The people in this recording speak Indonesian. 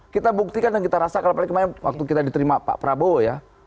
kita buktikan dan kita rasa kalau kemarin waktu kita diterima pak prabowo ya